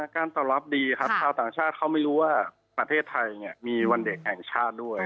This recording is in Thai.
การตอบรับดีครับชาวต่างชาติเขาไม่รู้ว่าประเทศไทยมีวันเด็กแห่งชาติด้วย